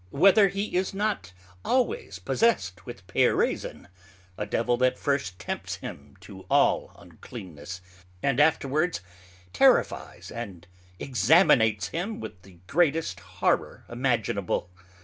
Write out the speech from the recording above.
Whether he is not alwayes possest with a [Greek: Peirazôn], a Devil that first tempts him to all Uncleanness, and afterwards terrifies and exanimates him with the greatest horrour imaginable?